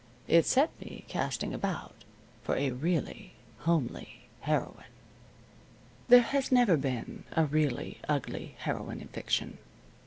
It set me casting about for a really homely heroine. There never has been a really ugly heroine in fiction.